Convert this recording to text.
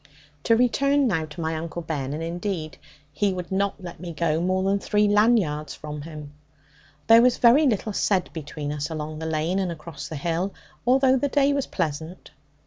To return now to my Uncle Ben and indeed he would not let me go more than three land yards from him there was very little said between us along the lane and across the hill, although the day was pleasant.